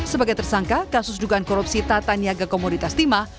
sebagai tersangka kasus dugaan korupsi tata niaga komoditas timah